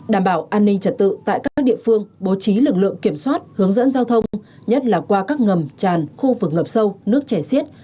đảm bảo an ninh trật tự tại các địa phương bố trí lực lượng kiểm soát hướng dẫn giao thông nhất là qua các ngầm tràn khu vực ngập sâu nước chảy xiết